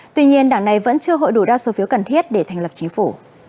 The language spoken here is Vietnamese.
tuy nhiên đảng này vẫn chưa hội đủ đa số phiếu cần thiết để thành lập chính phủ